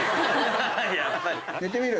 寝てみる？